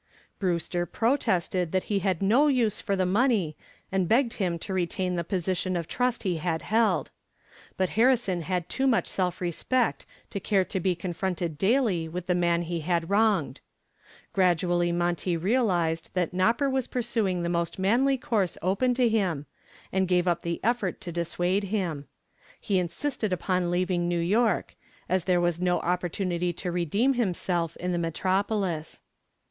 Brewster protested that he had no use for the money and begged him to retain the position of trust he had held. But Harrison had too much self respect to care to be confronted daily with the man he had wronged. Gradually Monty realized that "Nopper" was pursuing the most manly course open to him, and gave up the effort to dissuade him. He insisted upon leaving New York, as there was no opportunity to redeem himself in the metropolis.